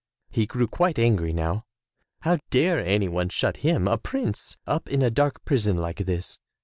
He grew quite angry now. How dare any one shut him, a prince, up in a dark prison like this!